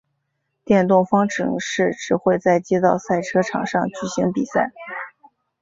电动方程式只会在街道赛车场上举行比赛。